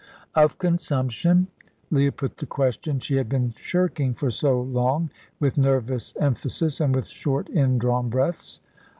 "Of consumption?" Leah put the question she had been shirking for so long with nervous emphasis, and with short, indrawn breaths.